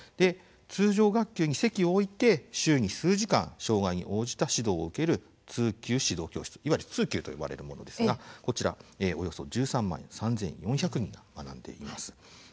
通常学級に籍を置いて週に数時間障害に応じた指導を受ける通級指導教室、いわゆる通級と呼ばれるものですがおよそ１３万３４００人が学んでいます。